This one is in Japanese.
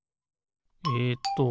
えっと